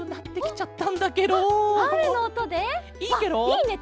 いいね！